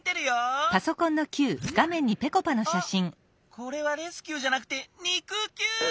これはレスキューじゃなくて肉きゅう！